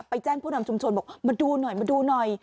ไปแจ้งผู้นำชุมชนบอกมาดูหน่อย